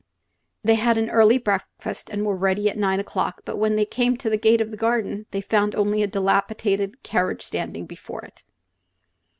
They had an early breakfast and were ready at nine o'clock; but when they came to the gate of the garden they found only a dilapidated carriage standing before it.